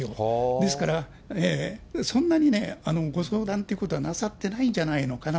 ですから、そんなにご相談っていうことはなさってないんじゃないかな。